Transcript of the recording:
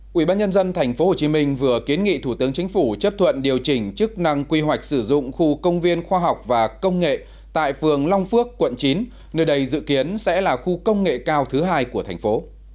quỹ bác nhân dân tp hcm vừa kiến nghị thủ tướng chính phủ chấp thuận điều chỉnh chức năng quy hoạch sử dụng khu công viên khoa học và công nghệ tại phường long phước quận chín nơi đây dự kiến sẽ là khu công nghệ cao thứ hai của thành phố